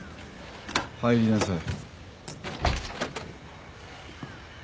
入りなさい。